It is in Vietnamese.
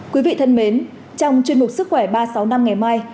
quý vị thân mến trong chuyên mục sức khỏe ba trăm sáu mươi năm ngày mai